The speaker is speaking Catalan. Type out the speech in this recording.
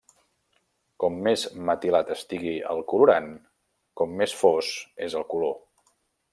Com més metilat estigui el colorant, com més fos és el color.